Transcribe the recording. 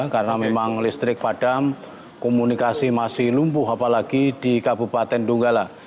karena memang listrik padam komunikasi masih lumpuh apalagi di kabupaten donggala